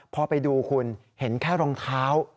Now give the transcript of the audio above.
พอไปดูคุณเห็นแค่รองเท้า